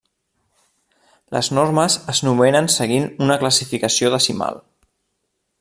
Les normes es numeren seguint una classificació decimal.